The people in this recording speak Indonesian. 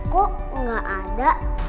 kok nggak ada